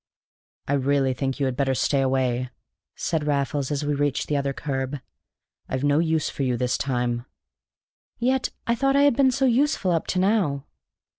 "I really think you had better stay away," said Raffles as we reached the other curb. "I've no use for you this time." "Yet I thought I had been so useful up to now?"